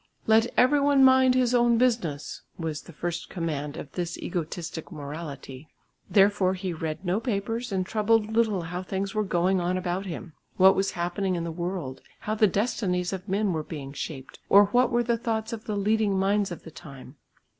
"Let every one mind his own business" was the first command of this egotistic morality. Therefore he read no papers and troubled little how things were going on about him, what was happening in the world, how the destinies of men were being shaped, or what were the thoughts of the leading minds of the time.